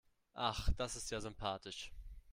Ach, das ist ja sympathisch.